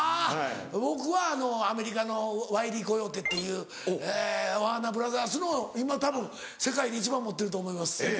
僕はアメリカのワイリー・コヨーテっていうワーナー・ブラザースの今たぶん世界で一番持ってると思います。